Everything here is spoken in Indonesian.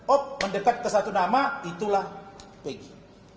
op mendekat ke satu nama itulah pegi